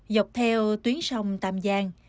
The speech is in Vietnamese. dọc theo tuyến sông tàm giang